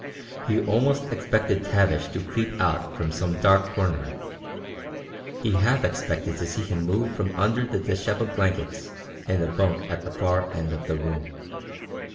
He almost expected Tavish to creep out from some dark corner; he half expected to see him move from under the dishevelled blankets in the bunk at the far end of the room.